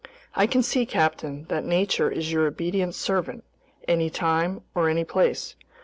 "I can see, captain, that nature is your obedient servant, any time or any place.